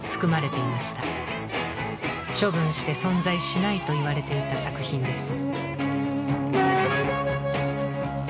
処分して存在しないと言われていた作品です。